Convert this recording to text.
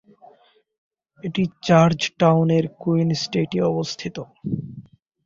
এটি জর্জ টাউনের কুইন স্ট্রিটে অবস্থিত।